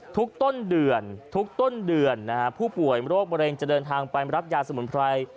ต้นเดือนทุกต้นเดือนผู้ป่วยโรคมะเร็งจะเดินทางไปรับยาสมุนไพร